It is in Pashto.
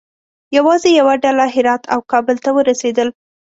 یوازې یوه ډله هرات او کابل ته ورسېدل.